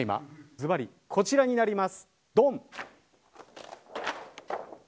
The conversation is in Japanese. ずばりこちらになります。